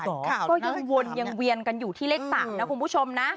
ก็ยังวนยังเวียนกันอยู่ที่เลข๓นะคุณผู้ชมนะ